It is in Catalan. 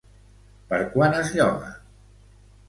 Per quant es lloga?